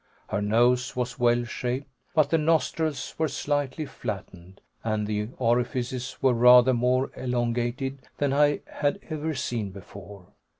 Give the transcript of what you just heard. Her nose was well shaped, but the nostrils were slightly flattened, and the orifices were rather more elongated than I had ever seen before.